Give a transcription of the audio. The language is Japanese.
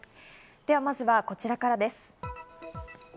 では、まずこちらからです。